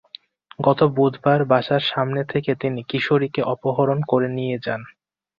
গত বুধবার বাসার সামনে থেকে তিনি কিশোরীকে অপহরণ করে নিয়ে যান।